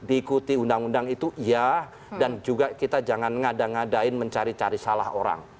diikuti undang undang itu iya dan juga kita jangan ngada ngadain mencari cari salah orang